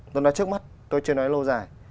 tôi nói trước mắt tôi chưa nói lâu dài